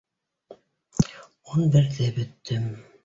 — Ун берҙе бөттөм.